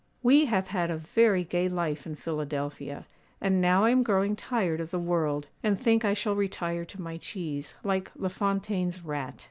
'We have had a very gay life in Philadelphia, and now I am growing tired of the world, and think I shall retire to my cheese, like La Fontaine's rat.